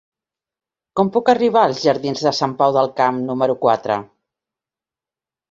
Com puc arribar als jardins de Sant Pau del Camp número quatre?